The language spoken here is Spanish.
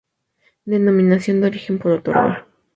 Denominación de origen por otorgar.